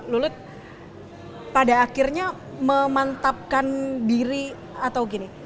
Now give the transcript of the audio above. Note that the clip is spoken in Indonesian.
lulut pada akhirnya memantapkan diri atau gini